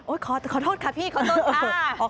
โอ๊ยขอโทษค่ะพี่ขอโทษ